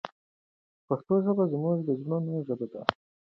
پښتو ژبه زموږ د زړونو ژبه ده.